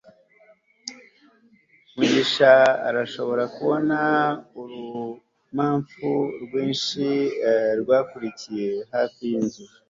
mugisha arashobora kubona urumamfu rwinshi rwakuriye hafi yinzu